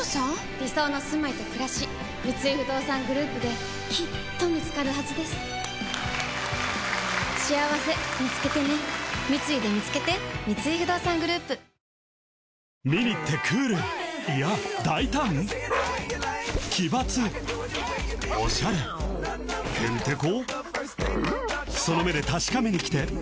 理想のすまいとくらし三井不動産グループできっと見つかるはずですしあわせみつけてね三井でみつけて頼んだ企画書まだっぽいけど